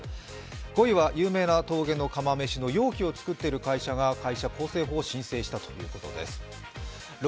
５位は有名な峠の釜めしの容器を作っている会社が会社更生法を申請したということです。